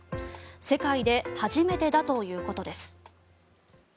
世界で初めてだということです。